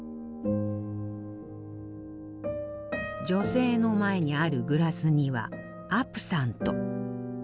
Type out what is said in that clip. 女性の前にあるグラスにはアプサント。